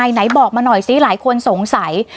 ไหนบอกมาหน่อยซิหลายคนสงสัย